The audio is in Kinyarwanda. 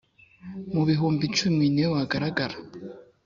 mu bihumbi icumi ni we wagaragara.